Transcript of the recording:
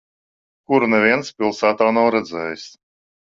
Kuru neviens pilsētā nav redzējis.